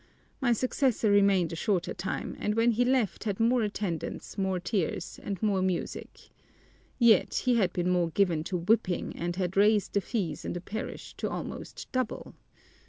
My successor remained a shorter time, and when he left he had more attendance, more tears, and more music. Yet he had been more given to whipping and had raised the fees in the parish to almost double."